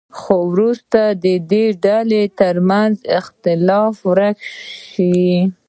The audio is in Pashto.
خو وروسته د دې ډلو ترمنځ اختلاف ورک شو.